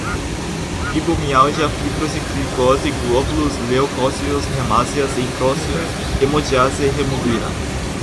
fibromialgia, fibrose, glicose, glóbulos, leucócitos, hemácias, eritrócitos, hemodiálise, hemoglobina